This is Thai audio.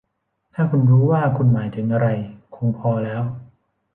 ถ้าคุณรู้ว่าคุณหมายถึงอะไร คงพอแล้ว